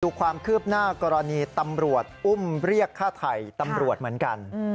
ดูความคืบหน้ากรณีตำรวจอุ้มเรียกฆ่าไถ่ตำรวจเหมือนกัน